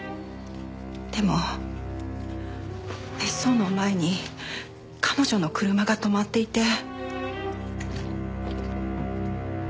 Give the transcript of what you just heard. でも別荘の前に彼女の車が止まっていて。